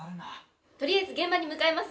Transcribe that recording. とりあえず現場に向かいます。